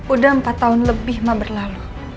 udah empat tahun lebih mah berlalu